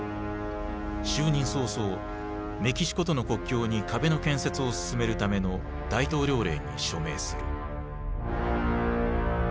就任早々メキシコとの国境に壁の建設を進めるための大統領令に署名する。